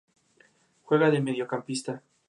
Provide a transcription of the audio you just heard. Se construyeron tres naves y posteriormente otras dos.